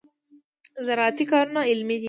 زراعتي کارونه علمي دي.